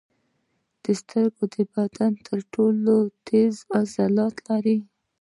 سترګې د بدن تر ټولو تېز عضلات لري.